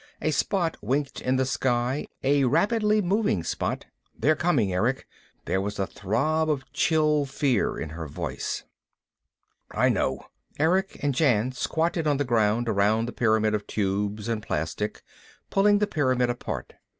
A spot winked in the sky, a rapidly moving spot. "They're coming, Erick." There was a throb of chill fear in her voice. "I know." Erick and Jan squatted on the ground around the pyramid of tubes and plastic, pulling the pyramid apart.